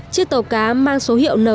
chiếc tàu cá mang số hiệu nổi